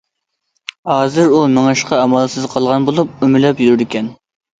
ھازىر ئۇ مېڭىشقا ئامالسىز قالغان بولۇپ، ئۆمىلەپ يۈرىدىكەن.